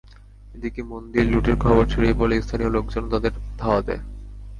এদিকে মন্দির লুটের খবর ছড়িয়ে পড়লে স্থানীয় লোকজনও তাদের ধাওয়া দেয়।